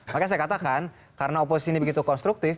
makanya saya katakan karena oposisi ini begitu konstruktif